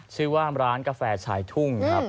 ชื่อว่าร้านกาแฟชายทุ่งครับ